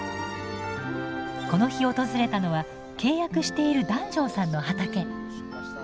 この日訪れたのは契約している檀上さんの畑。